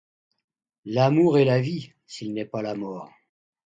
L’amour est la vie, s’il n’est pas la mort.